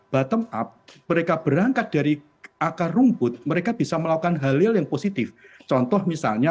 bottom up mereka berangkat dari akar rumput mereka bisa melakukan halil yang positif contoh misalnya